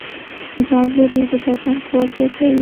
ګازرې د بدن قوت زیاتوي.